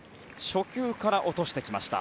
初球から落としてきました。